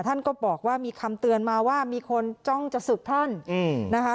ท่านก็บอกว่ามีคำเตือนมาว่ามีคนจ้องจะศึกท่านนะคะ